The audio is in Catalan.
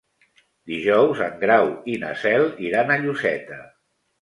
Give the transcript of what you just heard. Dijous en Grau i na Cel iran a Lloseta.